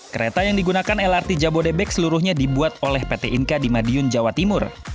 kereta yang digunakan lrt jabodebek seluruhnya dibuat oleh pt inka di madiun jawa timur